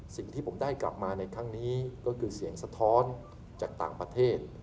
สิ่งที่ผมได้กลับมาในครั้งนี้ก็คือเสียงสะท้อนจากต่างประเทศ